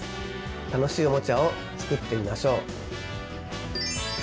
楽しいおもちゃを作ってみましょう！